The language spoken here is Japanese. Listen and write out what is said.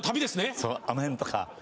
そうあの辺とか。